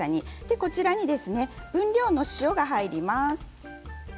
こちらに分量の塩が入ります。